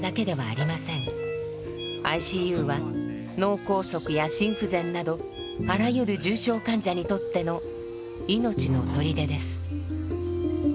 ＩＣＵは脳梗塞や心不全などあらゆる重症患者にとっての「命の砦」です。